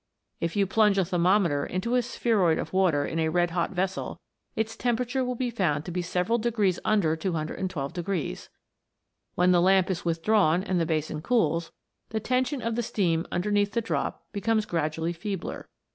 If you plunge a thermo meter into a spheroid of water in a red hot vessel, its temperature will be found to be several degrees under 212. When the lamp is withdrawn and the basin cools, the tension of the steam under neath the drop becomes gradually feebler.